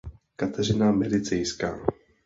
Kateřina Medicejská.